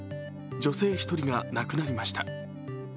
女性１人が亡くなりました。